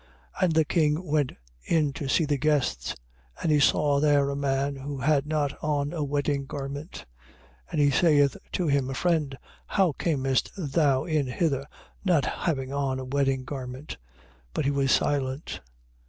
22:11. And the king went in to see the guests: and he saw there a man who had not on a wedding garment. 22:12. And he saith to him: Friend, how camest thou in hither not having on a wedding garment? But he was silent.